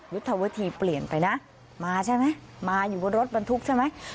ยุทธวิธีเปลี่ยนไปนะมาใช่ไหมมาอยู่บนรถบรรทุกใช่ไหม